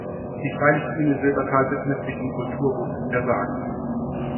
Die Freilichtbühne Silbertal widmet sich dem Kulturgut der Sagen.